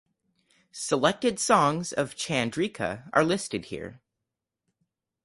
Selected songs of Chandrika are listed here.